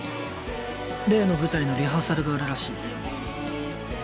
例の舞台のリハーサルがあるらしい。